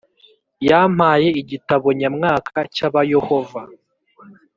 Yampaye i g i t a b o n y a m w a k a cyabayohova